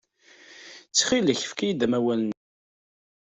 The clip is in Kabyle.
Ttxil-k, efk-iyi-d amawal-nni.